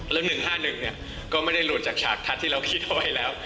แล้ว๑๕๑ก็ไม่ได้หลุดจากฉากทัศน์ที่เราคิดเอาไว้แล้ว